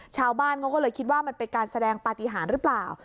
ชาวบ้านเขาก็เลยคิดว่ามันเป็นการแสดงปฏิหารหรือเปล่า